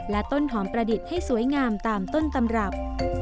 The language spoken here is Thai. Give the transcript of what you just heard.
และต้นหอมประดิษฐ์ให้สวยงามตามต้นตำรับ